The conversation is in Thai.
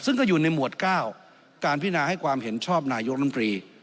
ซึ่งก็อยู่ในหมวด๙การพินาให้ความเห็นชอบนายกรมตรี